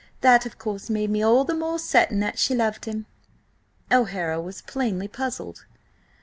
That, of course, made me all the more certain that she loved him." O'Hara was plainly puzzled.